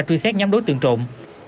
truy xét nhóm đối tượng trộn